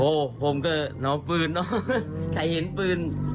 โหผมก็น้องปืนใครเห็นปืน